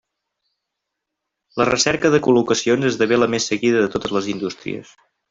La recerca de col·locacions esdevé la més seguida de totes les indústries.